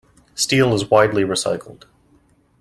Steel is widely recycled.